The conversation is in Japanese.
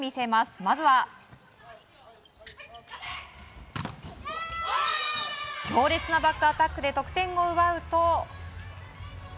まずは強烈なバックアタックで得点を奪うと。